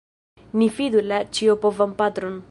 Ni fidu la Ĉiopovan Patron!